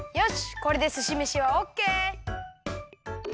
これですしめしはオッケー！